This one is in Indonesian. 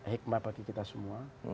hikmah bagi kita semua